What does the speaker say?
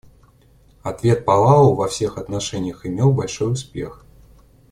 Ответ Палау во всех отношениях имел большой успех.